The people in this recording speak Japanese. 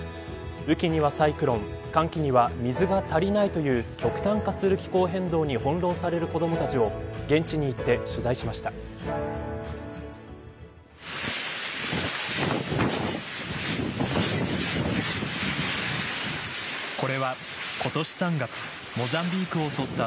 雨季にはサイクロン乾季には水が足りないという極端化する気候変動に翻弄される子どもたちを現地に行って取材しました。